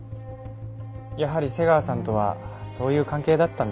やはり瀬川さんとはそういう関係だったんですね。